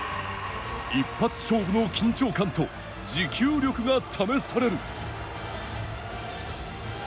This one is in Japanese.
一発勝負の緊張感と持久力が試される。